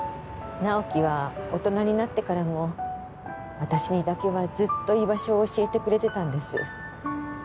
直木は大人になってからも私にだけはずっと居場所を教えてくれてたんです